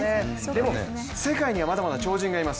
でも世界にはまだまだ超人がいます。